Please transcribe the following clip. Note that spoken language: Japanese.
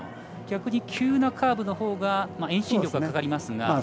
逆に急なカーブのほうが遠心力がかかりますが。